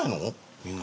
みんな。